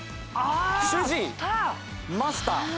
主人マスター。